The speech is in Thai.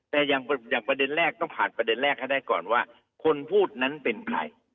แต่อย่างประเด็นแรกต้องผ่านประเด็นแรกให้ได้ก่อนว่าคนพูดนั้นเป็นใคร